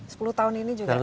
sepuluh tahun ini juga